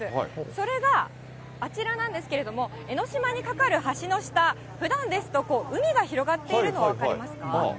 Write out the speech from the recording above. それがあちらなんですけれども、江の島にかかる橋の下、ふだんですと、海が広がっているの、分かりますか。